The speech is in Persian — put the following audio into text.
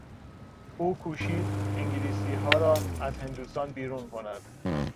او کوشید انگلیسیها را از هندوستان بیرون کند.